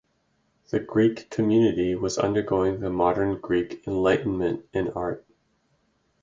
The Greek community was undergoing the Modern Greek Enlightenment in art.